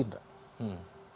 soal pembuatan korupsi ya